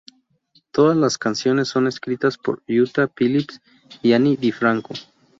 Todas las canciones son escritas por Utah Phillips y Ani DiFranco.